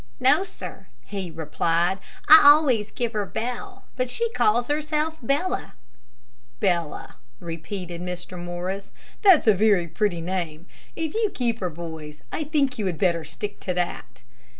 "No, sir," he replied; "I always give her Bell, but she calls herself Bella." "Bella," repeated Mr. Morris; "that is a very pretty name. If you keep her, boys, I think you had better stick to that."